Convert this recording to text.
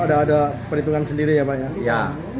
ada perhitungan sendiri ya pak ya